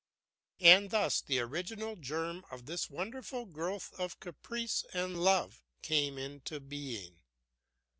And thus the original germ of this wonderful growth of caprice and love came into being.